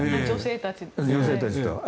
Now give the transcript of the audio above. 女性たちと。